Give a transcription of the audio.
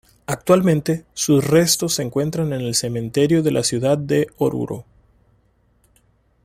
Actualmente, sus restos se encuentran en el cementerio de la ciudad de Oruro.